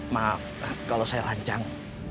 maaf kalau saya lancang